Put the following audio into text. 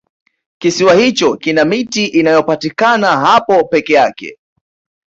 kisiwa hicho kina miti inayopatikana hapo peke yake